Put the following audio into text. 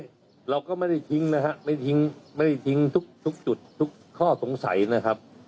เราก็ไม่ได้ทิ้งนะฮะไม่ทิ้งไม่ได้ทิ้งทุกจุดทุกข้อสงสัยนะครับ